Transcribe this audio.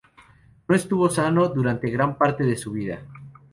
No estuvo sano durante gran parte de su vida.